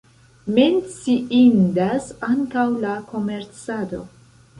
Menciindas ankaŭ la komercado.